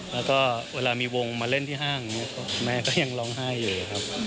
แล้วก็เวลามีวงมาเล่นที่ห้างแม่ก็ยังร้องไห้อยู่ครับ